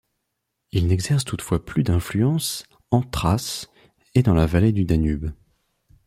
Il n'exerce toutefois plus d'influence en Thrace et dans la vallée du Danube.